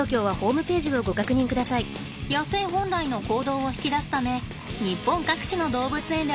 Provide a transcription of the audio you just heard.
野生本来の行動を引き出すため日本各地の動物園で行われています。